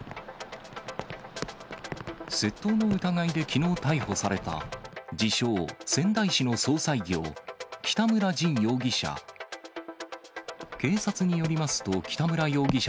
窃盗の疑いできのう逮捕された、自称、仙台市の葬祭業、北村尽容疑者。